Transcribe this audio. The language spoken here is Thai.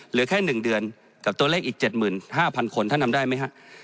เหลือแค่๑เดือนกับตัวเลขอีก๗๕๐๐คนท่านทำได้ไหมฮะ